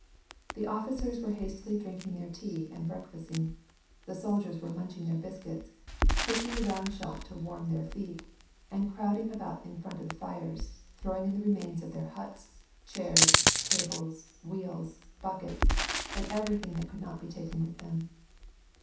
The officers were hastily drinking their tea and breakfasting ; the soldiers were munching their biscuits, kicking the round shot to warm their feet, and crowding about in front of the fires, throwing in the remains of their huts, chairs, tables, wheels, buckets, and every thing that could not be taken with them.